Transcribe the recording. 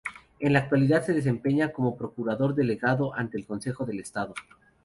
En la actualidad se desempeña como Procurador Delegado ante el Consejo de Estado.